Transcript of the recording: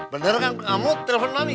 bener kan kamu telfon mami kan